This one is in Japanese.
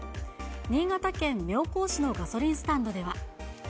新潟県妙高市のガソリンスタンドでは。